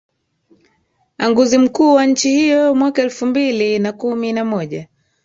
anguzi mkuu wa nchi hiyo mwaka elfu mbili na kumi na moja